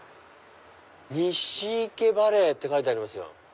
「ニシイケバレイ」って書いてありますよ。